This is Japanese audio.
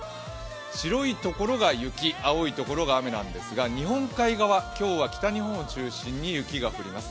白いところが雪、青いところが雨なんですが、日本海側、今日は北日本を中心に雪が降ります。